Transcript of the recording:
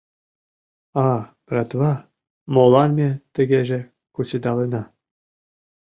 — А, братва, молан ме тыгеже кучедалына?